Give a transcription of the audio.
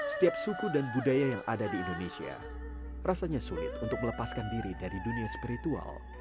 setiap suku dan budaya yang ada di indonesia rasanya sulit untuk melepaskan diri dari dunia spiritual